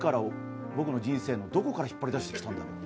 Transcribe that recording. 僕の人生のどこから引っ張り出してきたんだろう。